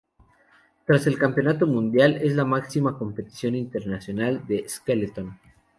Tras el Campeonato Mundial, es la máxima competición internacional de "skeleton".